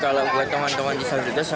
kalau buat teman teman disabilitas